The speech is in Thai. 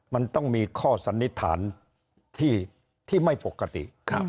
มันต้องมีข้อสันนิษฐานที่ไม่ปกติ